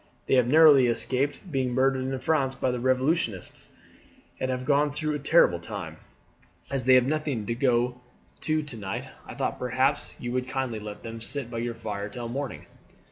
"They have narrowly escaped being murdered in France by the Revolutionists, and have gone through a terrible time. As they have nowhere to go to night, I thought perhaps you would kindly let them sit by your fire till morning."